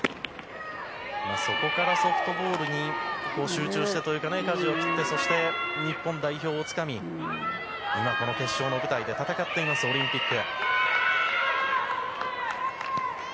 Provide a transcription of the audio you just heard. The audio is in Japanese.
そこからソフトボールに集中してというかかじを切ってそして日本代表をつかみ今、決勝の舞台で戦っていますオリンピック。